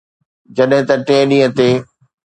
جڏهن ته ٽئين ڏينهن تي